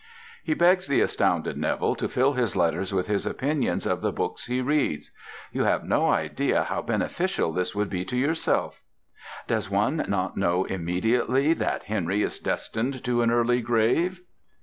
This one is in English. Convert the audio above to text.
He begs the astounded Neville to fill his letters with his opinions of the books he reads. "You have no idea how beneficial this would be to yourself." Does one not know immediately that Henry is destined to an early grave?